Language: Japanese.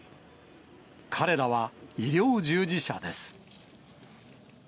彼らは医療従事者です。